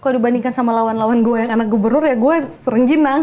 kalau dibandingkan sama lawan lawan gue yang anak gubernur ya gue sering gina